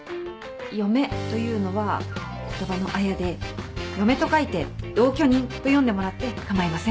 「嫁」というのは言葉のあやで「嫁」と書いて「同居人」と読んでもらって構いません。